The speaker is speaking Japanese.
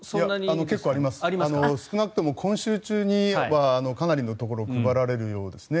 少なくとも今週中にはかなりのところで配られるようですね。